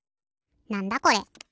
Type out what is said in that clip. なんだこれ？